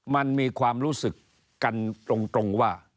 มันมีความรู้สึกกันตรงว่า